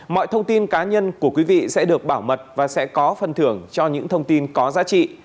mọi thông tin cá nhân của quý vị sẽ được bảo mật và sẽ có phần thưởng cho những thông tin có giá trị